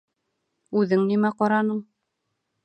Үҙең нимә ҡараның?